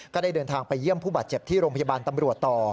ก็ได้เดินทางไปเยี่ยมผู้บาดเจ็บที่โรงพยาบาลตำรวจต่อ